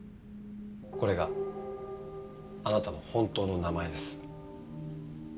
これがあなたの本当の名前です。